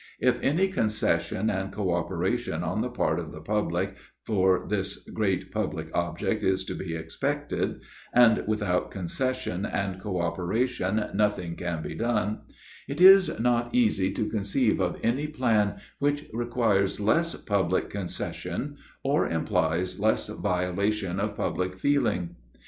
If any concession and co operation on the part of the public, for this great public object is to be expected, and without concession and co operation nothing can be done, it is not easy to conceive of any plan which requires less public concession or implies less violation of public feeling.